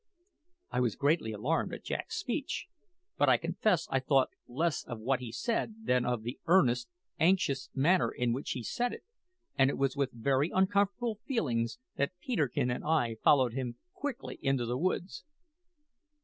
I was greatly alarmed at Jack's speech; but I confess I thought less of what he said than of the earnest, anxious manner in which he said it, and it was with very uncomfortable feelings that Peterkin and I followed him quickly into the woods.